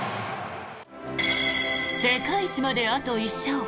世界一まであと１勝。